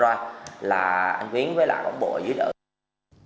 tôi rút là con bồi con bồi vừa lên là mở cửa ra